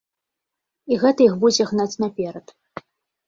І гэта іх будзе гнаць наперад.